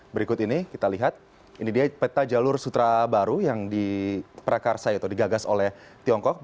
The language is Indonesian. berikut ini kita lihat ini dia peta jalur sutra baru yang diperakarsa atau digagas oleh tiongkok